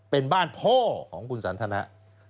เป็นบ้านพ่อของคุณสันทนะ